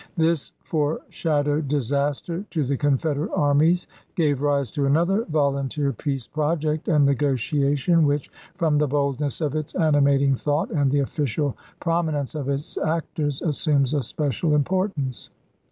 This foreshadowed disaster to the Con federate armies gave rise to another volunteer peace project and negotiation, which, from the boldness of its animating thought and the official promi nence of its actors, assumes a special importance.